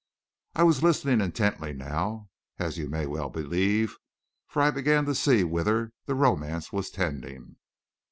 I was listening intently now, as you may well believe, for I began to see whither the romance was tending.